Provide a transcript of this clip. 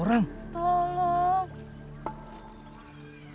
tenang aja bu